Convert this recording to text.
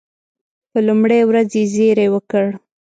په لومړۍ ورځ یې زېری وکړ.